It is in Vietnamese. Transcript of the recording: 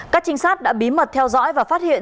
các trinh sát đã bí mật theo dõi và phát hiện